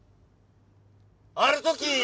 ある時！